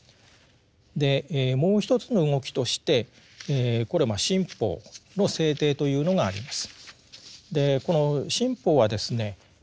でもう一つの動きとしてこれ新法の制定というのがあります。